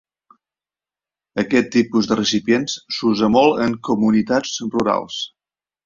Aquest tipus de recipients s'usa molt en comunitats rurals.